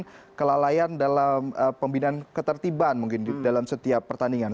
ada kelalaian dalam pembinaan ketertiban mungkin dalam setiap pertandingan